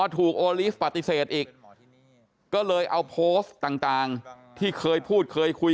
โอลีฟปฏิเสธอีกก็เลยเอาโพสต์ต่างที่เคยพูดเคยคุย